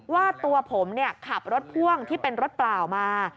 ว่าตัวผมขับรถพ่วงที่เป็นรถเปล่ามา